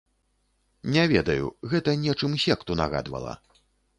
Не ведаю, гэта нечым секту нагадвала.